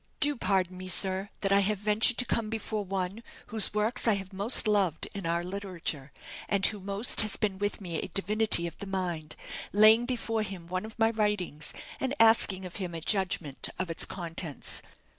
"Do pardon me, sir, that I have ventured to come before one whose works I have most loved in our literature, and who most has been with me a divinity of the mind, laying before him one of my writings, and asking of him a judgment of its contents.